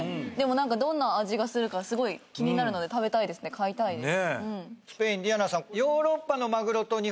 何かどんな味がするかすごい気になるので食べたいですね買いたいです